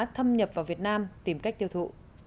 thâm nhập vào việt nam tìm cách tiêu thụ